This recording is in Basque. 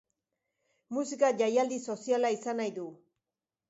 Musika jaialdi soziala izan nahi du.